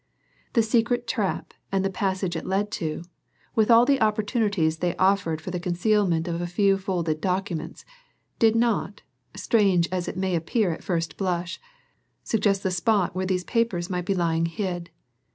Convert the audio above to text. The secret trap and the passage it led to, with all the opportunities they offered for the concealment of a few folded documents, did not, strange as it may appear at first blush, suggest the spot where these papers might be lying hid.